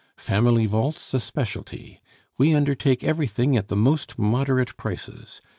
Family vaults a specialty. We undertake everything at the most moderate prices.